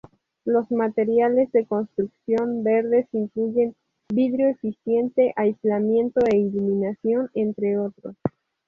Los materiales de construcción verdes incluyen vidrio eficiente, aislamiento e iluminación, entre otros.